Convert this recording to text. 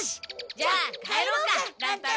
じゃあ帰ろうか乱太郎！